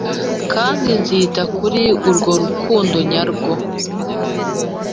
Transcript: kandi nzita kuri urwo rukundo nyarwo,